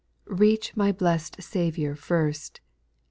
6 Reach my blest Saviour first.